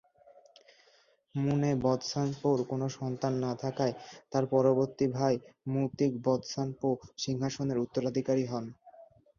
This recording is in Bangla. মু-নে-ব্ত্সান-পোর কোন সন্তান না থাকায় তাঁর পরবর্তী ভাই মু-তিগ-ব্ত্সান-পো সিংহাসনের উত্তরাধিকারী হন।